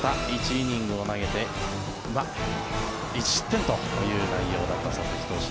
１イニングを投げて１失点という内容だった佐々木投手